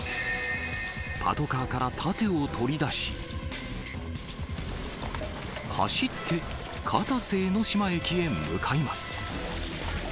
パトカーから盾を取り出し、走って、片瀬江ノ島駅へ向かいます。